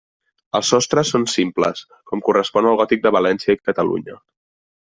Els sostres són simples, com correspon al gòtic de València i Catalunya.